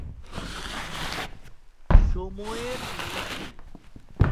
সময়ের নথি।